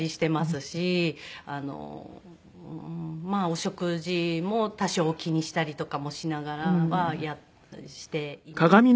お食事も多少気にしたりとかもしながらはしていますね。